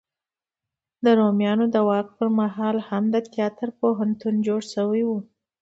د رومیانو د واک په مهال هم د تیاتر پوهنتون جوړ شوی و.